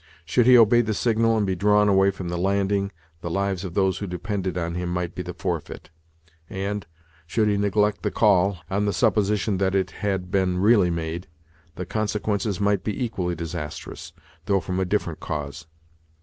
Should he obey the signal, and be drawn away from the landing, the lives of those who depended on him might be the forfeit and, should he neglect the call, on the supposition that it had been really made, the consequences might be equally disastrous, though from a different cause.